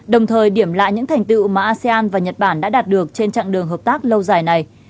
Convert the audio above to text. đồng thời điểm lại những thành tựu mà asean và nhật bản đã đạt được trên chặng đường hợp tác lâu dài này